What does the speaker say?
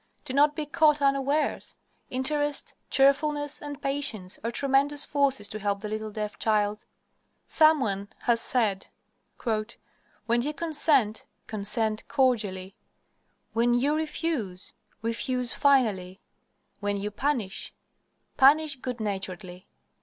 Do not be caught unawares. Interest, cheerfulness, and patience are tremendous forces to help the little deaf child. Some one has said: "When you consent, consent cordially; When you refuse, refuse finally; When you punish, punish good naturedly."